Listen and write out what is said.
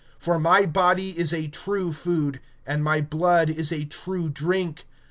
(55)For my flesh is true food, and my blood is true drink.